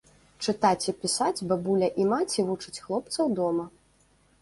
Чытаць і пісаць бабуля і маці вучаць хлопцаў дома.